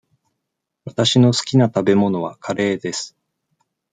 わたしの好きな食べ物はカレーです。